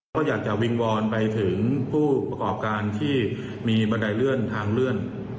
ก็อยากจะวิงวอนไปถึงผู้ประกอบการที่มีบันไดเลื่อนทางเลื่อน